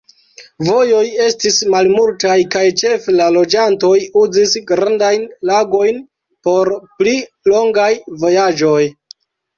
Vojoj estis malmultaj kaj ĉefe la loĝantoj uzis grandajn lagojn por pli longaj vojaĝoj.